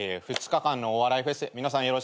二日間のお笑いフェス皆さん